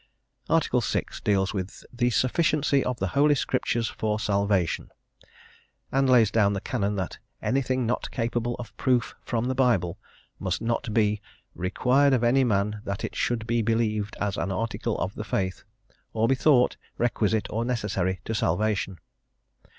* 1 Cor. xv. 50. Article VI. deals with "the sufficiency of the Holy Scriptures for Salvation," and lays down the Canon that anything not capable of proof from the Bible must not be "required of any man that it should be believed as an article of the faith, or be thought requisite or necessary to salvation."